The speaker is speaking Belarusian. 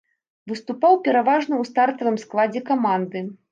Выступаў пераважна ў стартавым складзе каманды.